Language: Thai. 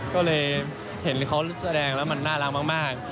ก็เลยเห็นเขาแสดงแล้วมันน่ารักมาก